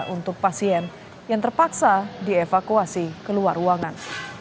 untuk pasien yang terpaksa dievakuasi keluar ruangan